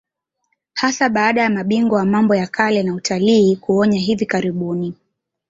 Hasa baada ya mabingwa wa mambo ya kale na utalii kuonya hivi karibuni